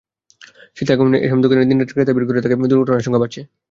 শীত আগমনে এসব দোকানে দিনরাত ক্রেতা ভিড় করে থাকায় দুর্ঘটনার আশঙ্কা বাড়ছে।